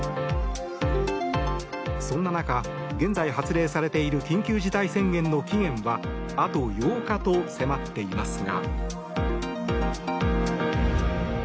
そんな中、現在発令されている緊急事態宣言の期限はあと８日と迫っていますが。